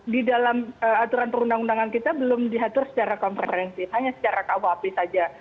di dalam aturan perundang undangan kita belum diatur secara komprehensif hanya secara kuap saja